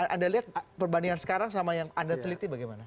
anda lihat perbandingan sekarang sama yang anda teliti bagaimana